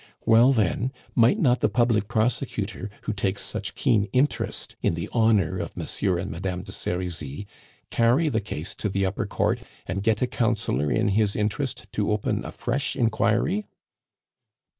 "Well, then, might not the public prosecutor, who takes such keen interest in the honor of Monsieur and Madame de Serizy, carry the case to the Upper Court and get a councillor in his interest to open a fresh inquiry?"